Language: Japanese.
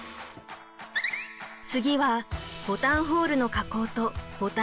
次はボタンホールの加工とボタン付け。